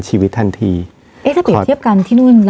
อุ้ยสิมันเสียงทั้ง๒ประเทศนะถ้าโดนนะ